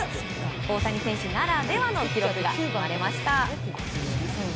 大谷選手ならではの記録が生まれました。